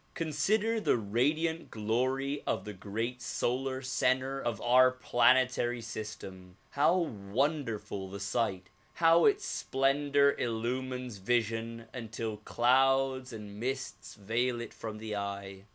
Consider the radiant glory of the great solar center of our planetary system; how wonderful the sight ; how its splendor illumines vision until clouds and mists veil it from the eye.